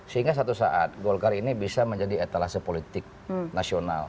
sehingga satu saat golkar ini bisa menjadi etalase politik nasional